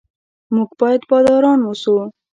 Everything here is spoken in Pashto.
موږ باید باداران اوسو.